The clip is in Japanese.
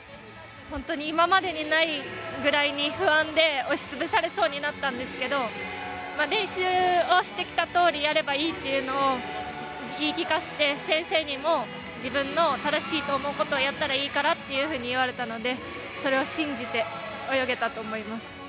本当に今までにないぐらいに不安で押し潰されそうになったんですけど練習をしてきたとおりやればいいというのを言い聞かせて先生にも自分の正しいと思うことをやったらいいからと言われたのでそれを信じて泳げたと思います。